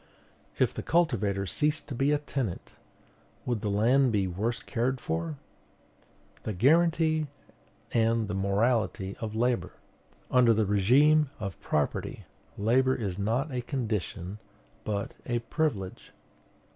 If the cultivator ceased to be a tenant, would the land be worse cared for? "The guarantee and the morality of labor." Under the regime of property, labor is not a condition, but a privilege.